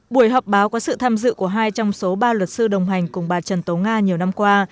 buổi họp báo có sự tham dự của hai trong số ba luật sư đồng hành cùng bà trần tố nga nhiều năm qua